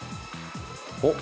おっ！